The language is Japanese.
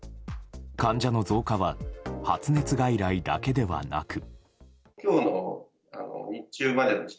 患者の増加は発熱外来だけではなく。